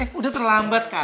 eh udah terlambat kali